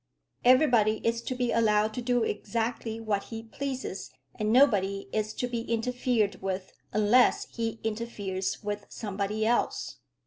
Everybody is to be allowed to do exactly what he pleases, and nobody is to be interfered with unless he interferes with somebody else.